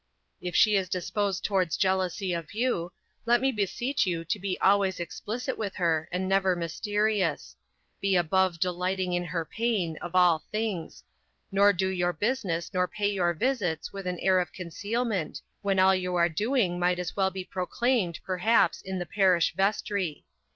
If she is disposed towards jealousy of you, let me beseech you to be always explicit with her and never mysterious: be above delighting in her pain, of all things nor do your business nor pay your visits with an air of concealment, when all you are doing might as well be proclaimed perhaps in the parish vestry.